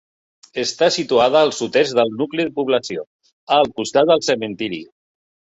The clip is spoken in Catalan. Està situada al sud-est del nucli de població, al costat del cementiri.